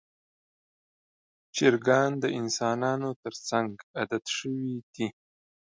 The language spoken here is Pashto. چرګان د انسانانو تر څنګ عادت شوي دي.